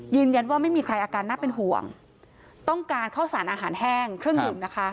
ยืนยันว่าไม่มีใครอาการน่าเป็นห่วงต้องการข้าวสารอาหารแห้งเครื่องดื่มนะคะ